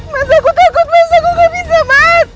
mas aku kaget mas aku gak bisa mas